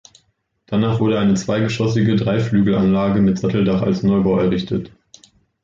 Danach wurde eine zweigeschossige Dreiflügelanlage mit Satteldach als Neubau errichtet.